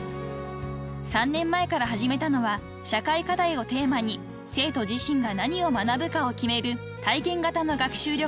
［３年前から始めたのは社会課題をテーマに生徒自身が何を学ぶかを決める体験型の学習旅行］